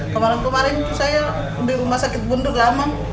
kemarin kemarin itu saya di rumah sakit bunduk lama